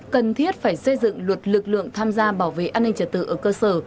cần thiết phải xây dựng luật lực lượng tham gia bảo vệ an ninh trật tự ở cơ sở